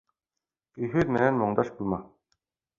Көйһөҙ менән моңдаш булма.